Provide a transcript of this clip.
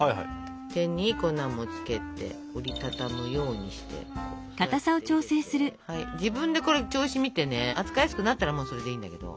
手に粉もつけて折り畳むようにしてこうやって入れて自分でこれ調子を見てね扱いやすくなったらもうそれでいいんだけど。